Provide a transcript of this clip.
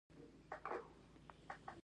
پاچا له لوبغاړو سره د هر ډول ژمنې ټټر واوهه.